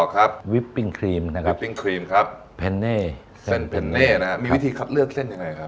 ครับผมครับก็มีชื่อว่า